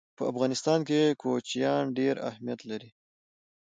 په افغانستان کې کوچیان ډېر اهمیت لري.